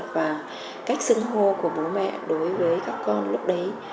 và cách sưng hô của bố mẹ đối với các con lúc đấy